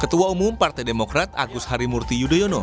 ketua umum partai demokrat agus harimurti yudhoyono